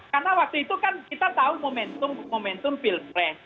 karena waktu itu kan kita tahu momentum momentum pilpres